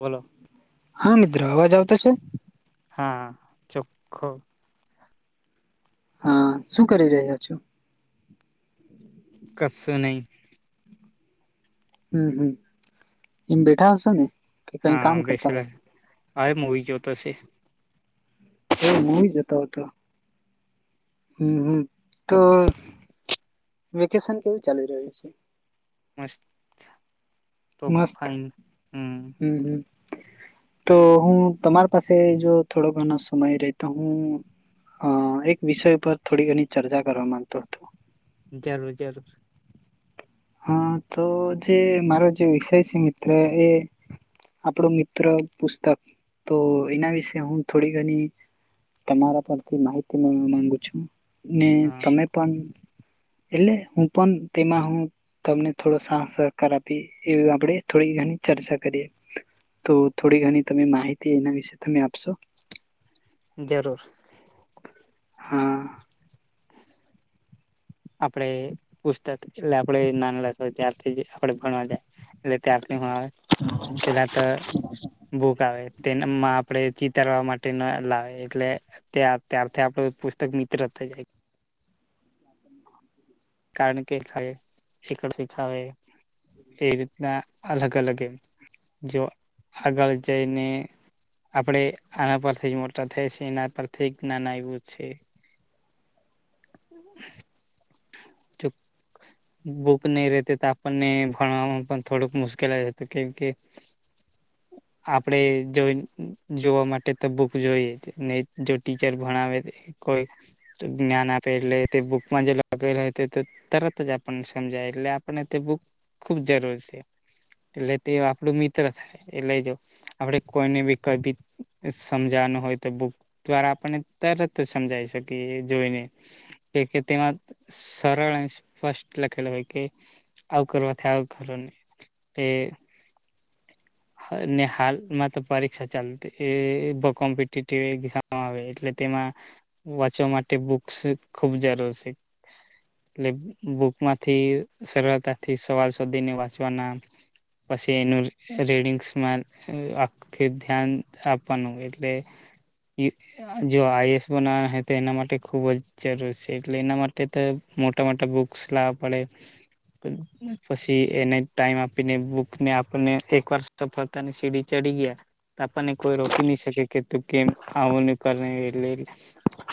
બોલો હા મિત્રો અવાજ આવતો છે?. હા ચોખ્ખો. હા શું કરી રહ્યો છો? કશું નહીં. હમ હમ એમ બેઠા હશો ને કે કઈ કામ કરતા હશે. હા એક મુવી જોતો છે. એવું મૂવી જોતો હતો. હ તો. વેકેશન કેવું ચાલી રહ્યું છે? મસ્ત ટોપ મસ્ત ફાઈન હમ. તો હું તમારા પાસે જો થોડો ઘણો સમય રેતો હું. અ એક વિષય પર થોડી ઘણી ચર્ચા કરવા માંગતો હતો. જરૂર જરૂર. હા તો જે મારો જે વિષય છે. મિત્રએ આપણું મિત્ર પુસ્તક તો એના વિશે હું થોડી ઘણી તમારા પરથી માહિતી મેળવા માંગુ છું. ને હા તમે પન એટલે હું પન તેમાં હું તમને થોડો સાહ સહકાર આપીએ એવી આપણેે થોડી ઘણી ચર્ચા કરીએ. તો થોડી ઘણી તમે માહિતી એના વિશે તમે આપશો? જરૂર. હા. આપણે પુસ્તક એટલે આપણેે નાના હતા ત્યારથી આપણે ભણવા જાય. એટલે ત્યારથી હું આવે પેલા તો બુક આવે તે આપણે ચિતારવા માટે ન લાવે એટલે ત્યારથી આપણું પુસ્તક મિત્ર થઈ જાય. કારણ કેાય શડ શીખાવ એ રીતના અલગ અલગ એમ. જો આગળ જઈને. આપણે આના પરથી જ મોટા થાય છે એના પરથી જ નાના એવું છે. હ. ચુપ. બુક નહીં રહેતે તો આપણને ભણવામાં પણ થોડુંક મુશ્કેલ જતું. કેમ કે [inaudible] આપડે જોઈન જોવા માટે તો બુક જોઈએ નહીં જો ટીચર ભણાવે એ. કોઈ જ્ઞાન આપે એટલે તે બુકમાં જેલો. આપેલા તે તો તરત જ આપણને સમજાય એટલે આપણને તે બુક ખૂબ જરૂર સે. એટલે તે આપણું મિત્ર થાય. એટલે જો આપડે કોઈને બી કઈ ભી સમજાવાનું હોય તો બુક દ્વારા આપણને તરત સમજાઈ શકીએ એ જોઈને કે કે તેમાં સરળ અને સ્પષ્ટ લખેલ હોય કે આવું કરવાથી આવું કરવાનું. તે. ને હાલમાં તો પરીક્ષા ચાલતી એ કોમ્પિટીટીવ એક્ઝામ આવે. એટલે તેમાં વાંચવા માટે બુક્સ ખૂબ જરૂર સે. લે બુકમાંથી સરળતાથી સવાલ શોધીને વાંચવાના. પસી એનું રીડિંગસ માન આખ થી ધ્યાન આપવાનું એટલે ઇ જો આઈ એસ બનાવાના હે તે એના માટે ખૂબ જ જરૂર શે, એટલે એના માટ ટે તો મોટા મોટા બુક્સ લાવા પડે. પસી એને ટાઈમ આપીને બુકને આપણને એકવાર તફળતાની સીડી ચડી ગયા. તો આપણને કોઈ રોકી નહી શકે, કે તું કેમ આવું ને કરને એટલે એ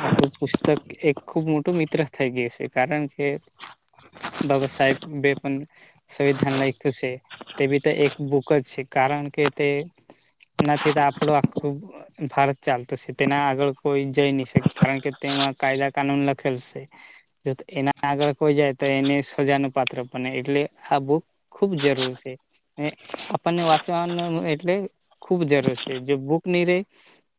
આપણું પુસ્તક એક ખૂબ મોટું મિત્ર થઈ ગયું શે, કારણ કે બાબા સાહેબ બે પન સંવિધાન લાઈકુ સે તે બી તો એક બૂક જ છે, કારણ કે તે નથી તો આપડું આખું ભારત ચાલતો સે, તેના આગળ કોઈ જઈ નઈ શક, કારણ કે તેમાં કાયદા કાનૂન લખેલ સે. જો એના આગળ કોઈ જાય તો એને સજાનું પાત્ર બને, એટલે આ બૂક ખૂબ જરૂર સે. ને આપણને વાચવાનું એટલે ખુબ જરૂર છે, જો બુક ની રે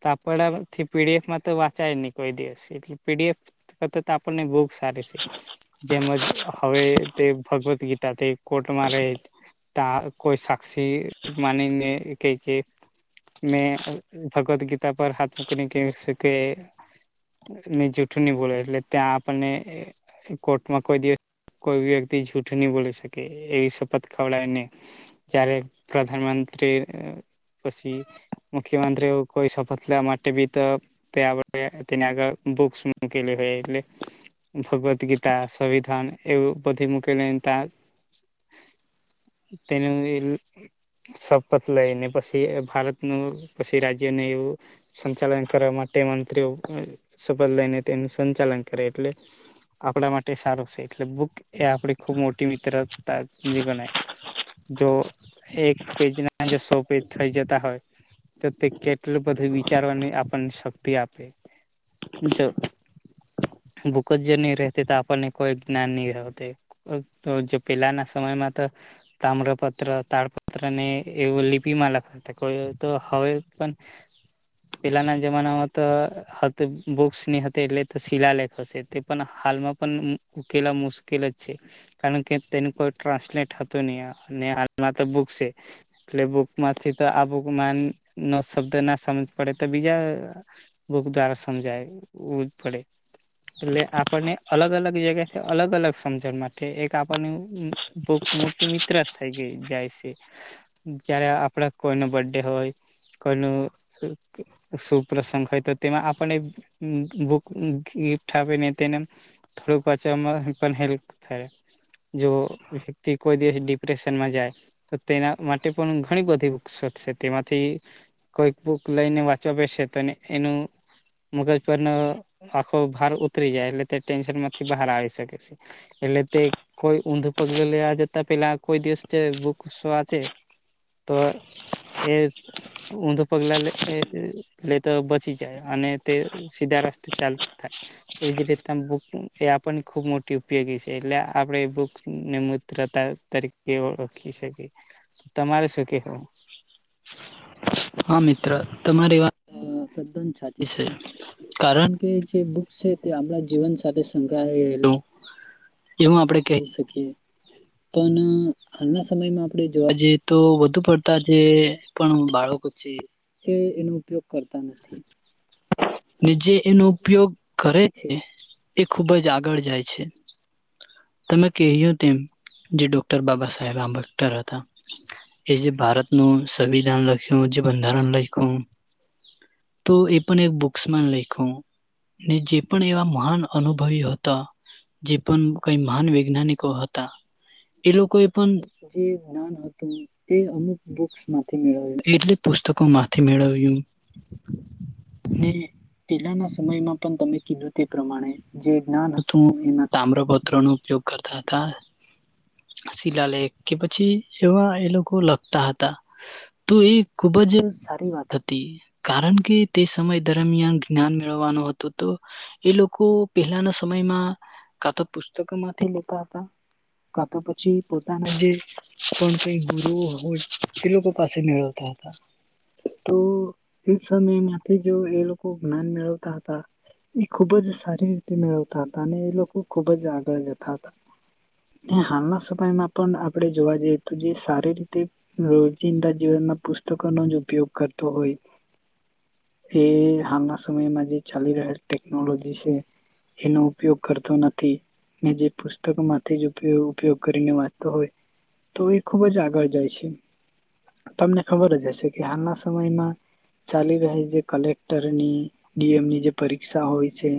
તો આપડાથી પી ડી એફ માં તો વાંચાય નહી કોઈ દિવસ, એટલે પી ડી એફ હો તો તો આપ આપણને બુક સારી સે. જેમ જ હવે તે ભગવદગીતા તે કોટમાં રહે. તા કોઈ સાક્ષી માનીને કે કે ને અ ભગવદગીતા પર હાથ મૂકીને કેવશે કે ની જૂઠું ની બોલે, એટલે ત્યાં આપણને કોર્ટમાં કોઈ દિવ કોઈ ભી વ્યક્તિ જૂઠું ની બોલી શકે, એવી શપથ ખવડાયને જયારે પ્રધાનમંત્રી અ પસી મુખ્યમંત્રી એવું કોઈ શપથ લેવા માટે બી તો તે આપડ તેને આગળ બુક્સ મૂકેલી રે એટલે ભગવદગીતા, સવિધાન એવું બધી મૂકેેલી એન તા તેનું વિરુદ્ધ શપથ લઈને, પસી ભારતનું પછી રાજ્યને એવું સંચાલન કરવા માટે મંત્રીઓ અ શપથ લઈને તેનું સંચાલન કરે, એટલે આપણા માટે સારું સે એટલે બુક એ આપણી ખૂબ મોટી મિત્રતાજી ગનાય, જો એક પેજના જો સો પેજ થઈ જતા હોય. તો તે કેટલું બધું વિચારવાની આપણને શક્તિ આપે, જો બુકજ નહી રેતે તો આપણને કોઈ જ્ઞાન નહી રહેતે. હ સો જો પેલાના સમયમાં તો તામ્રપત્ર તાડપત્ર ને એવું લિપિમાં લખ તે કોઈ હોય તો હવે પન પેલાના જમાનામાં તો હત બુક્સ ની હતી એટલે શિલાલેખ હશે, તે પન હાલમાં પન ઉકેલા મુશ્કેલ જ છે. કારણ કે તેનું કોઈ ટ્રાન્સલેટ હતું નહી, અને હાથ મા તો બુક્સ સે એટલે બુક માંથી તો આ બુકમાં નો શબ્દ ના સમજ પડે તો બીજા બુક દ્વારા સમજાય વુંજ પડે, એટલે આપણને અલગ અલગ જગ્યાથી અલગ અલગ સમજણ માથે, એક આપણને ઉ બુક મોટી મિત્રા થાય ગઇ કે જાય છે. જયારે આપણા કોઈનો બડે હોય. કોઈનું શુભ પ્રસંગ હોય તો તેમાં આપણને ભુક [inaudible] ગિફ્ટ આપીને તેને થોડુંક પાછમાં પણ હેલ્પ થાય. જો વ્યક્તિ કોઈ દિવસ ડિપ્રેશનમાં જાય તો તેના માટે પણ ઘણી બધી બુક્સો છે, તેમાંથી- - કોઈક બુક લઈને વાંચવા બેસે તો એનું મગજ પર ન આખો ભાર ઉતરી જાય એટલે તે ટેન્શનમાંથી બહાર આવી શકે છે. એટલે તે કોઈ ઊંધું પગલે લેવા જતા પેલા કોઈ દિવસ છે બહુ ગુસ્સો આવે છે. તો એ ઊંધું પગલા લે લેતો બસી જાય અને તે સીધા રસ્તે ચાલતો થાય. એવી જ રીતના બુક એ આપણને ખૂબ મોટી ઉપયોગી છે. એટલે આપણે એ બુકને મૂત્રતા તરીકે ઓળખી શકી. તો તમારે શું કેહેવું? હા મિત્ર તમારી વાત તદ્દન સાચી છે. કારણ કે જે બુક્સ છે તે આપણાં જીવન સાથે સંકળાયેલો રહેલો એવું આપડે કહી શકીએ. પન હાલના સમયમાં આપણે જોવા જઈએ તો વધુ પડતા જે પણ બાળ કો છે એ એનો ઉપયોગ કરતા નથી. ને જે એનો ઉપયોગ કરે છે, તે ખૂબ જ આગળ જાય છે. તમે કહ્યું તેમ જે ડોક્ટર બાબા સાહેબ આંબેડકર હતા. કે જે ભારતનું સંવિધાન લખ્યું, જે બંધારણ લખ્યું. તો એ પણ એક બુક્સમાં લયખું. ને જે પણ એવા મહાન અનુભવી હતા. જે પન કઈ મહાન વૈજ્ઞાનિકો હતા. એ લોકોએ પન જે જ્ઞાન હતું તે અમુક બુક્સ માંથી મેળવેલ. કે એટલી પુસ્તકોમાંથી મેળવ્યું. અને પેલાના સમયમાં પન તમે કીધું તે પ્રમાણે જે જ્ઞાન હતું એના તામ્રપત્રનો ઉપયોગ કરતા હતા. શિલાલેખ કે પછી એવા એ લોકો લખતા હતા. તો એ ખુબ જ સારી વાત હતી. કારણ કે તે સમય દરમિયાન જ્ઞાન મેળવવાનો હતો તો એ લોકો પહેલાના સમયમાં કા તો પુસ્તકોમાંથી લેતા હતા. કા તો પછી પોતાના જે પણ કઈ ગુરુ હોય એ લોકો થી મેળવતા હતા. તો એ સમયમાંથી જો એ લોકો જ્ઞાન મેળવતા હતા. ઈ ખુબ જ સારી રીતે મેળવતા હતા, અને ઈ લોકો ખુબ જ આગળ જતા હતા. ને હાલના સમયમાં પણ આપણેે જોવા જઈએ તો જે સારી રીતે રો જિંદા જીવનમાં પુસ્તકોનો જ ઉપયોગ કરતો હોય. એ હાલના સમયમાં જે ચાલી રહેલ ટેકનોલોજી છે. એનો ઉપયોગ કરતો નથી. ને જે પુસ્તકોમાંથી જ ઉપયો ઉપયોગ કરીને વાંચતો હોય. તો ઈ ખુબ જ આગળ જાય છે. તમને ખબર જ હશે કે હાલના સમયમાં ચાલી રહી છે કલેક્ટરની, ડીએમની જે પરીક્ષા હોય છે.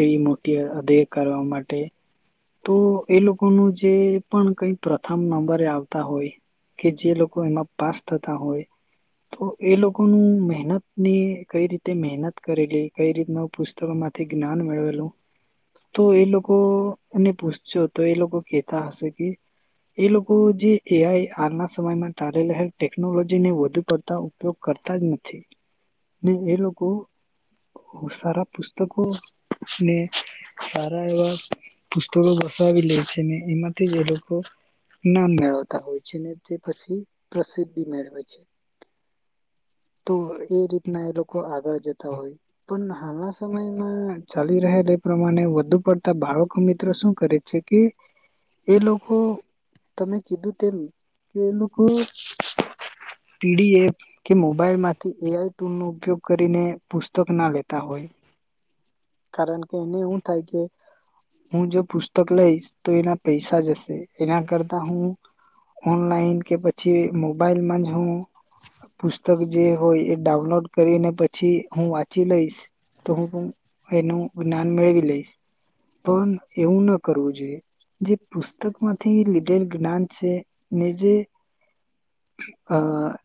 એવી મોટી અધય કરવા માટે તો એ લોકોનું જે પણ કઈ પ્રથમ નંબરે આવતા હોય. કે જે લોકો એમાં પાસ થતા હોય. તો એ લોકોનું મહેનતની કઈ રીતે મહેનત કરેલી, કઈ રીતનું પુસ્ તકમાંથી જ્ઞાન મેળવેલું. તો એ લોકો ને પૂછજો તો એ લોકો કેતા હશે કે એ લોકો જે એઆઈ આજના સમયમાં તારે લહેર ટેકનોલોજીને વધુ પડતા ઉપયોગ કરતા જ નથી. ને એ લોકો ખૂબ સારા પુસ્તકો ને સારા એવા પુસ્તકો વસાવી લઈ છે ને એમાંથી જ એ લોકો નામ મેળવતા હોય છે ને. તે પછી પ્રસિદ્ધિ મેળવે છે તો એ રીતે. ના એ લોકો આગળ જતા હોય. પણ હાલના સમયમાં ચાલી રહેલ એ પ્રમાણે વધુ પડતા બાળકો મિત્રો શું કરી એ. છે કે એ લોકો તમે કીધું તેમ કે ખુબ પીડીએફ કે મોબાઈલ માંથી એઆઈ ટુલ નો ઉપયોગ કરીને પુસ્તક ના લેતા હોય. [inaudible] કારણ કે એને એવું થાય કે. હું જો પુસ્તક લઈશ તો એના પૈસા જશે એના કર તા હું ઓનલાઈન કે પછી મોબાઈલમાં જ હું. પુસ્તક જે હોય એ ડાઉનલોડ કરીને પછી હું વાંચી લઈશ. તો હું પણ એનું જ્ઞાન મેળવી લઈશ. પણ એવું ના કરવું જોઈએ. જે પુસ્તક માંથી લીધેલ જ્ઞાન છે ને જે હા.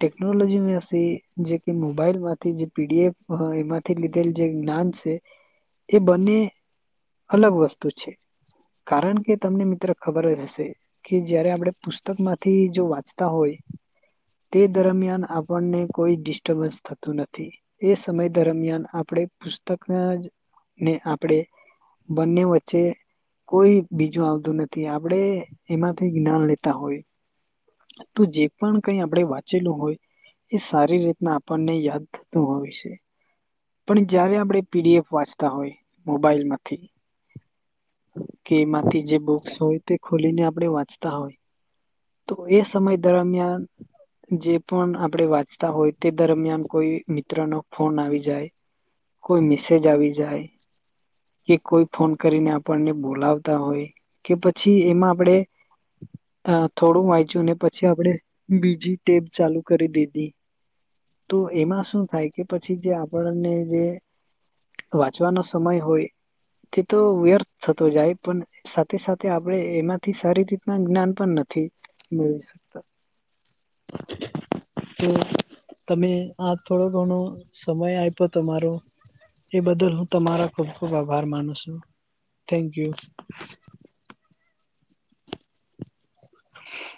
ટેકનોલોજી માં થી જે કે મોબાઈલ માંથી જે પીડીએફ હોય એમાં થી લીધેલ જે જ્ઞાન છે. [inaudible] એ બંને અલગ વસ્તુ છે. કારણ કે તમને મિત્ર ખબર જ હશે કે જયારે આપડણે પુસ પુસ્તક માંથી જો વાંચતા હોય તે દરમિયાન આપણને કોઈ ડિસ્ટર્બન્સ થતું નથી એ સમય દરમિયાન આપણે પુસ્તકના જ ને આપડે. બંને વચ્ચે કોઈ બીજું આવતું નથી આપડે એમાંથી જ્ઞાન લે તા હોય તો જે પણ કઈ આપણે વાંચેલું હોય. એ સારી રીતના આપણને યાદ થતું આવે છે. પણ જયારે આપણે પીડીએફ વાંચતા હોય મોબાઈલમાંથી કે એમાંથી જે બુક્સ હોય તે ખોલીને આપણે વાંચતા હોય. તો એ સમય દરમિયાન જે પણ આપડે વાંચતા હોય તે દરમિયાન કોઈ મિત્ર ના ફોન આવી જાય. કોઈ મેસેજ આવી જાય. કે કોઈ ફોન કરીને આપણને બોલાવતા હોય કે પછી એમાં આપણેે. અ થોડું વાંચ્યું ને પછી આપણેે બીજી ટેબ ચાલુ કરી દીધી. તો એમાં શું થાય કે પછી જે આપણને જે. વાંચવાનો સમય હોય તે તો વ્યર્થ થતો જાય પણ સા થે સાથે આપણે એમાંથી સારી રીતના જ્ઞાન પણ નથી મેળવી શકતા. હમ. તમે આ થોડો ઘણો સમય આપ્યો તમારો એ બદલ હું તમારો ખુબ ખુબ આભાર માનું છું થેન્ક યુ. [inaudible]